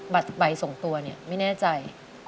บัตรไปส่งตัวนี่ไม่แน่ใจ